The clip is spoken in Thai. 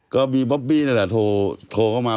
ก็มีบ๊อบบี้นั่นแหละโทรเข้ามา